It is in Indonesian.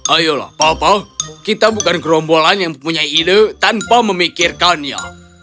ayolah papa kita bukan gerombolan yang mempunyai ide tanpa memikirkannya